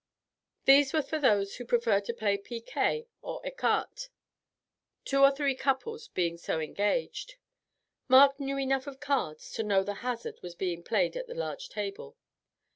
These were for those who preferred to play piquet or ecarte, two or three couples being so engaged. Mark knew enough of cards to know that hazard was being played at the large table.